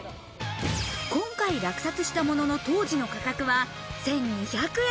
今回落札したものの当時の価格は１２００円。